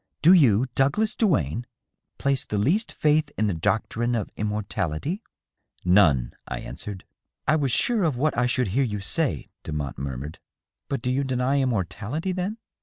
Do you, Douglas Duane, place the least faith in the doctrine of immortality ?"" None," I answered. "I was sure of what I should hear you say," Demotte murmured. " But do you deny immortality, then